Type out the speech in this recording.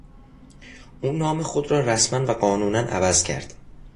او نام خود را رسما و قانونا عوض کرد.